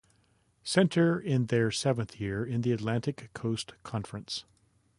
Center in their seventh year in the Atlantic Coast Conference.